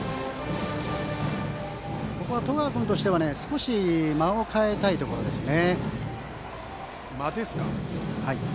十川君としては少し間を変えたいところですね。